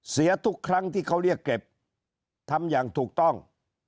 เสียทุกครั้งที่เขาเรียกเก็บทำอย่างถูกต้อง